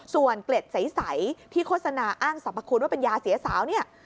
ส่วนเกล็ดใสที่โฆษณาอ้างสรรพคุณว่าเป็นยาเสียสาวเนี่ย